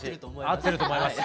合ってると思います。